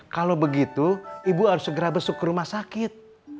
kalau begitu ibu harus segera besuk ke rumah sakit